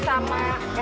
es teh manis ya